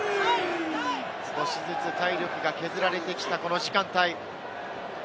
少しずつ体力が削られてきた、この時間帯。